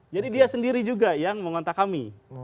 jadi dia sendiri juga yang mengontak kami